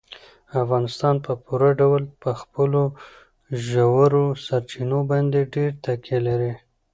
افغانستان په پوره ډول په خپلو ژورو سرچینو باندې ډېره تکیه لري.